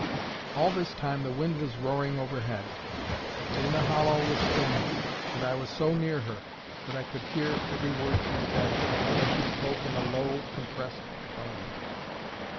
All this time the wind was roaring overhead. But in the hollow was stillness, and I was so near her, that I could hear every word she said, although she spoke in a low compressed tone.